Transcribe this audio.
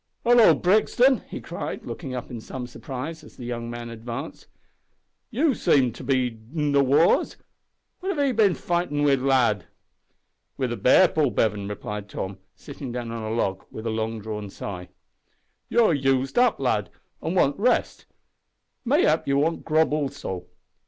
"Hallo, Brixton!" he cried, looking up in some surprise as the young man advanced; "you seem to have bin in the wars. What have 'e been fightin' wi', lad?" "With a bear, Paul Bevan," replied Tom, sitting down on a log, with a long drawn sigh. "You're used up, lad, an' want rest; mayhap you want grub also.